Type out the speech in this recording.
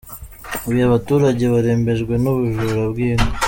Huye Abaturage barembejwe n’ubujura bw’inka